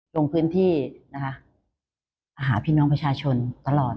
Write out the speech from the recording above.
ลงพื้นที่นะคะหาพี่น้องประชาชนตลอด